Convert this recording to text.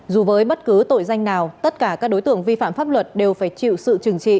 dù với bất cứ tội danh nào tất cả các đối tượng vi phạm pháp luật đều phải chịu sự trừng trị